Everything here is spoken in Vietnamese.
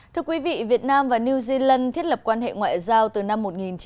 thưa quý vị việt nam và new zealand thiết lập quan hệ ngoại giao từ năm một nghìn chín trăm bảy mươi